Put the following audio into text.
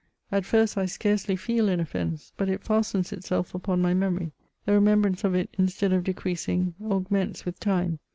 At first, I scarcely feel an offence; buj^it fastens itself upon my memory; the remembrance of it, instead of decreasing, augments with time.